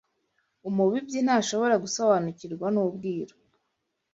Umubibyi ntashobora gusobanukirwa n’ubwiru